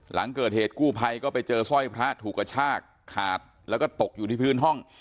หลังเกิดเหตุกู้ภัยก็ไปเจอสร้อยพระถูกกระชากขาดแล้วก็ตกอยู่ที่พื้นห้อง